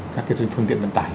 các cái phương tiện vận tải